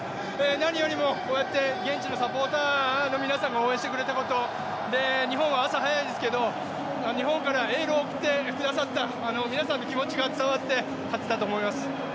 何よりも、こうやって現地のサポーターの皆さんが応援してくれたこと、日本は朝早いですけど、日本からエールを送ってくださった皆さんの気持ちが伝わって勝てたと思います。